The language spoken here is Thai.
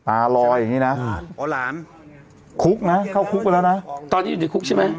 อาลอยอย่างนี้นะคุกนะเข้าคึกเฉินแล้วนะตอนที่๒๐๑๑คุกใช่ไหม